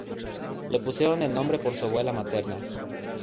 Le pusieron el nombre por su abuela materna.